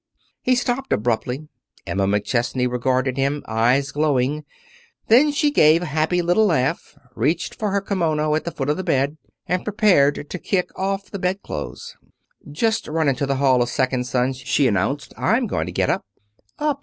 He stopped abruptly. Emma McChesney regarded him, eyes glowing. Then she gave a happy little laugh, reached for her kimono at the foot of the bed, and prepared to kick off the bedclothes. "Just run into the hall a second, son," she announced. "I'm going to get up." "Up!